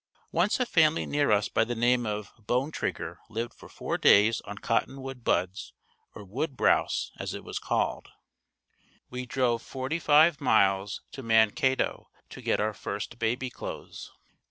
Once a family near us by the name of Bonetrigger lived for four days on cottonwood buds or wood browse as it was called. We drove forty five miles to Mankato to get our first baby clothes.